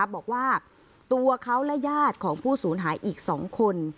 บอกว่าตัวเขาและญาติของผู้สูญหายอีก๒คน